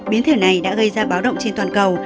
biến thể này đã gây ra báo động trên toàn cầu